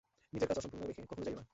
নিজের কাজ অসম্পূর্ণ রেখে কখনও যাই না।